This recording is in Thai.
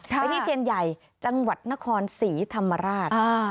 ไปที่เทียนใหญ่จังหวัดนครศรีธรรมราช